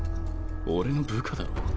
俺の部下だろ？